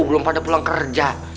belum pada pulang kerja